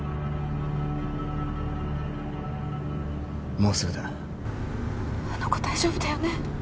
もうすぐだあの子大丈夫だよね？